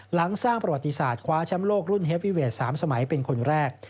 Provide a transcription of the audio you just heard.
หลังสร้างประวัติศาสตร์คว้าแชมป์โลกรุ่นเฮฟวิเวท๓สมัยเป็นคนแรก